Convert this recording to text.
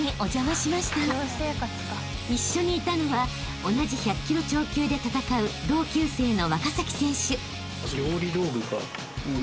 ［一緒にいたのは同じ１００ｋｇ超級で戦う同級生の］